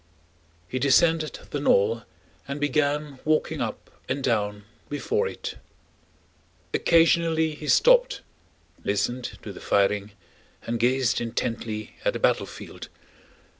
He descended the knoll and began walking up and down before it. Occasionally he stopped, listened to the firing, and gazed intently at the battlefield.